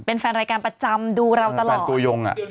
เป็นแฟนรายการประจำดูเราตลอดตัวยง